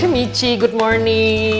michi selamat pagi